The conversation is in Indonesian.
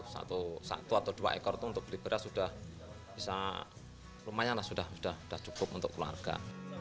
satu atau dua ekor itu untuk beli beras sudah lumayanlah sudah cukup untuk keluarga